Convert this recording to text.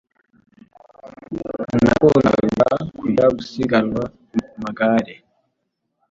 Nakundaga kujya gusiganwa ku amagare